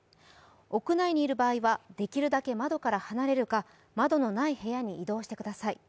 屋内にいる場合はできるだけ窓から離れるか、窓のない部屋に移動してください。